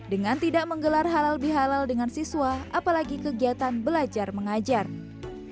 dengan tidak menggelar halal bihalal dengan siswa apalagi kegiatan belajar mengajar